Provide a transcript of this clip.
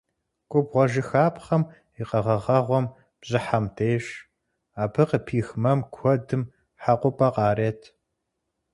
Губгъуэжыхапхъэм и къэгъэгъэгъуэм – бжьыхьэм деж, абы къыпих мэм куэдым хьэкъупӏэ къарет.